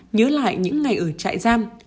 nhớ lại những ngày ở trại giam